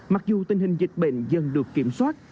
mặc dù tình hình dịch bệnh dần được kiểm soát